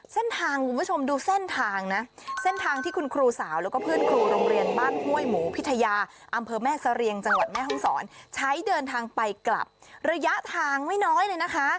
คุณผู้ชมดูเส้นทางนะเส้นทางที่คุณครูสาวแล้วก็เพื่อนครูโรงเรียนบ้านห้วยหมูพิทยาอำเภอแม่เสรียงจังหวัดแม่ห้องศรใช้เดินทางไปกลับระยะทางไม่น้อยเลยนะคะ